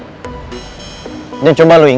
apa pernah pangeran ini ngejelek dong